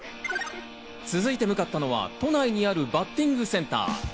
続いて向かったのは都内にあるバッティングセンター。